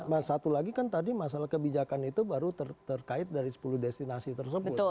dan satu lagi kan tadi masalah kebijakan itu baru terkait dari sepuluh destinasi tersebut